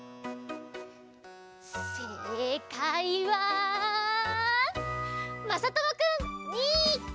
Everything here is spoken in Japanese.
せいかいはまさともくんみっけ！